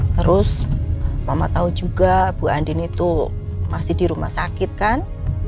terus mama tahu juga bu andin itu masih di rumah sakit kan